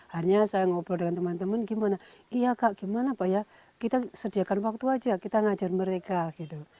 hanya saya ngobrol dengan teman teman gimana iya kak gimana pak ya kita sediakan waktu aja kita ngajar mereka gitu